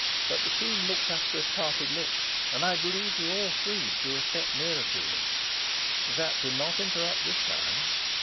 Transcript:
But the queen looked up with parted lips, and I believe that we three all drew a step nearer him. Sapt did not interrupt this time.